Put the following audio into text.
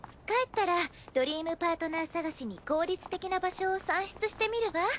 帰ったらドリームパートナー捜しに効率的な場所を算出してみるわ。